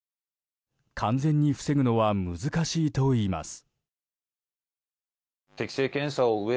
完全に防ぐのは難しいといいます。